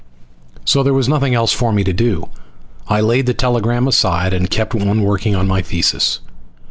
So there was nothing else for me to do. I laid the telegram aside and kept on working on my thesis.